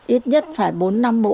ít nhất phải bốn năm bộ